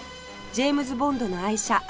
ジェームズ・ボンドの愛車